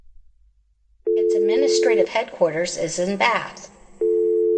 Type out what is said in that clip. Its administrative headquarters is in Bath.